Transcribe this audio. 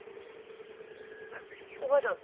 えっおばあちゃん